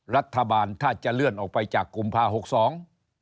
รัฐบาลถ้าจะเลื่อนออกไปจากกุมภาหกสอง